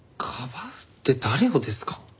かばうって誰をですか？